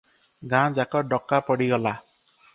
ଗାଁଯାକ ଡକା ପଡିଗଲା ।